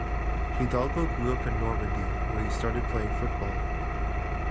Hidalgo grew up in Normandy, where he started playing football.